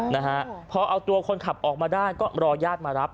นะฮะพอเอาตัวคนขับออกมาได้ก็รอญาติมารับ